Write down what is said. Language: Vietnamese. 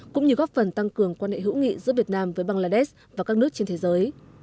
cũng như góp phần tăng cường quan hệ hữu nghị giữa việt nam với bangladesh và các nước trên thế giới